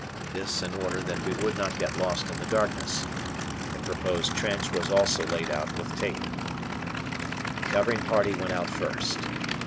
This in order that we would not get lost in the darkness. The proposed trench was also laid out with tape. The covering party went out first.